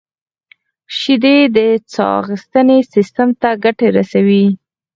• شیدې د ساه اخیستنې سیستم ته ګټه رسوي.